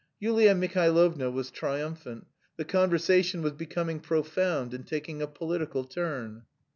Yulia Mihailovna was triumphant: the conversation was becoming profound and taking a political turn.